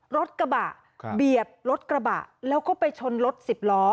รถกระบะเบียดรถกระบะแล้วก็ไปชนรถสิบล้อ